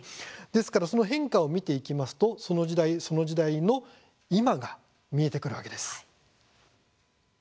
ですからその変化を見ていきますとその時代その時代の今が見えてくるわけです。